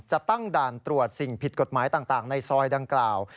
ตั้งด่านตรวจสิ่งผิดกฎหมายต่างในซอยดังกล่าว